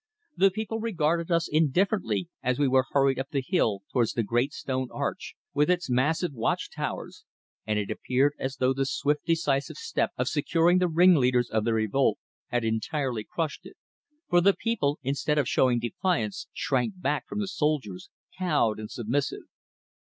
The people regarded us indifferently as we were hurried up the hill towards the great stone arch with its massive watch towers, and it appeared as though the swift decisive step of securing the ringleaders of the revolt had entirely crushed it, for the people, instead of showing defiance, shrank back from the soldiers, cowed and submissive.